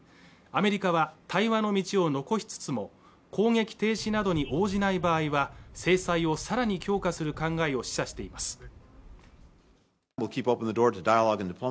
アメリカは対話の道を残しつつも攻撃停止などに応じない場合は制裁をさらに強化する考えを示唆しています